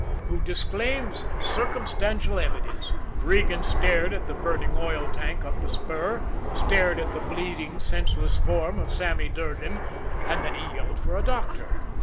Who disclaims circumstantial evidence! Regan stared at the burning oil tank up the spur, stared at the bleeding, senseless form of Sammy Durgan and then he yelled for a doctor.